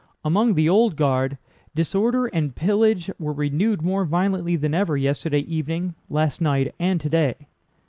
Among the Old Guard disorder and pillage were renewed more violently than ever yesterday evening, last night, and today.